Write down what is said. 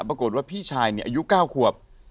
ปรากฏว่าพี่ชายอายุ๙ขวบ